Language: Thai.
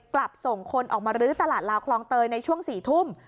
กลับส่งคนออกมาลื้อตลาดลาวคลองเตยในช่วง๔ทุ่ม